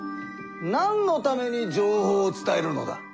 なんのために情報を伝えるのだ？